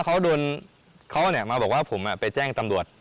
เขาโดนเขามาบอกว่าผมไปแจ้งตำรวจ